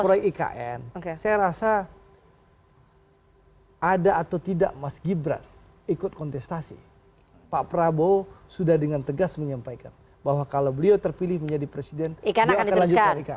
proyek ikn saya rasa ada atau tidak mas gibran ikut kontestasi pak prabowo sudah dengan tegas menyampaikan bahwa kalau beliau terpilih menjadi presiden dia akan lanjutkan ikn